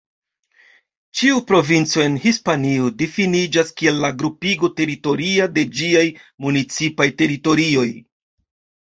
Ĉiu provinco en Hispanio difiniĝas kiel la grupigo teritoria de ĝiaj municipaj teritorioj.